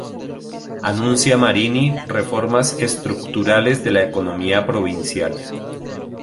Anuncia Marini, reformas estructurales de la economía provincial.